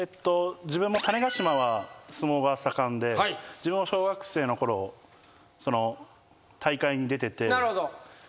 種子島は相撲が盛んで自分も小学生のころ大会に出てて。